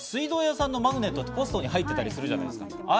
水道屋さんのマグネットって、ポストに入ってたりするじゃないですか。